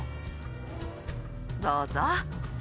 ・どうぞ。